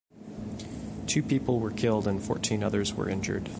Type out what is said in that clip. Two people were killed and fourteen others were injured.